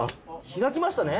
開きましたね！